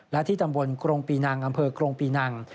และที่ตำบลกรงปีนังอำเภอกรงปีนัง